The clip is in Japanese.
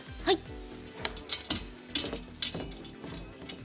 はい。